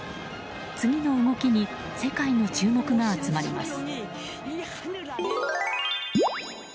次の動きに世界の注目が集まります。